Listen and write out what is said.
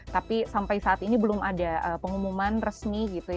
tapi sampai saat ini belum ada pengumuman resmi gitu